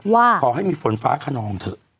ว่าขอให้มีฝนฟ้าขนองเถอะ